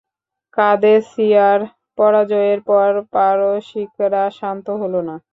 কাদেসিয়ার পরাজয়ের পর পারসিকরা শান্ত হল না।